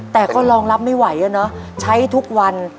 แต่ก็รองรับไม่ไหวอะเนาะใช้ทุกวัน